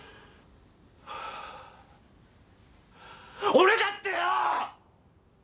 俺だってよ！